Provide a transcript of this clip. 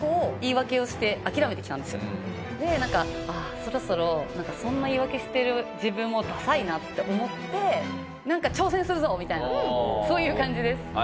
そろそろそんな言い訳してる自分をダサいなって思って「なんか挑戦するぞ！」みたいなそういう感じです。